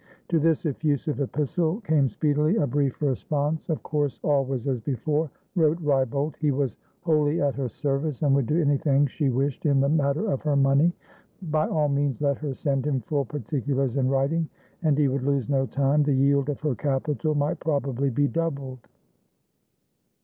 To this effusive epistle came speedily a brief response. Of course all was as before, wrote Wrybolt. He was wholly at her service, and would do anything she wished in the matter of her money. By all means let her send him full particulars in writing, and he would lose no time; the yield of her capital might probably be doubled.